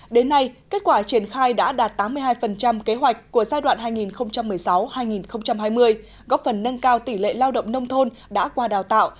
đến nay kết quả triển khai đã đạt tám mươi hai kế hoạch của giai đoạn hai nghìn một mươi sáu hai nghìn hai mươi góp phần nâng cao tỷ lệ lao động nông thôn đã qua đào tạo